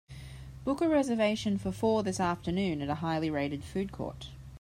Book a reservation for four this Afternoon at a highly rated food court